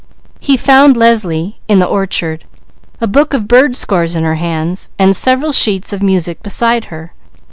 He found Leslie in the orchard, a book of bird scores in her hands, and several sheets of music beside her.